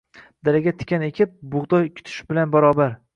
dalaga tikan ekib, bug‘doy kutish bilan barobar.